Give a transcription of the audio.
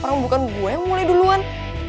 orang bukan gue yang mulai duluan